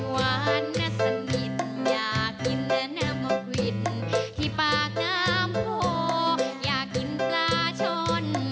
อยากกินขนุนที่วันสนิทอยากกินน้ำมะกวิ้นที่ปากน้ำโพอยากกินปลาชน